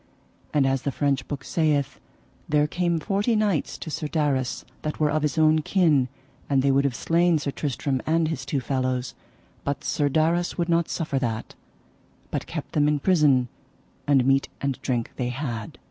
And as the French book saith, there came forty knights to Sir Darras that were of his own kin, and they would have slain Sir Tristram and his two fellows, but Sir Darras would not suffer that, but kept them in prison, and meat and drink they had.